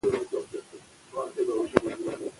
لیک یې محدود دی.